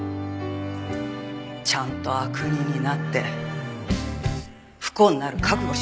ちゃんと悪人になって不幸になる覚悟しなさい。